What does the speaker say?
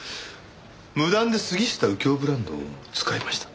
無断で杉下右京ブランドを使いました。